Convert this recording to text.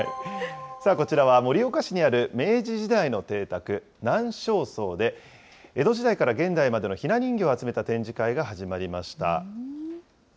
こちらは盛岡市にある明治時代の邸宅、南昌荘で、江戸時代から現代までのひな人形を集めた展示会が始まりました。